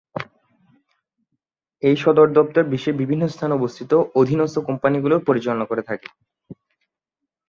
এই সদর দফতর বিশ্বের বিভিন্ন স্থানে অবস্থিত অধীনস্থ কোম্পানিগুলোর পরিচালনা করে থাকে।